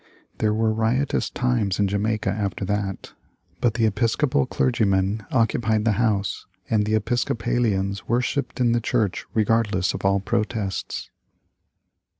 There were riotous times in Jamaica after that, but the Episcopal clergyman occupied the house, and the Episcopalians worshipped in the church regardless of all protests.